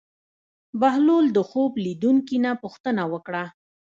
بهلول د خوب لیدونکي نه پوښتنه وکړه.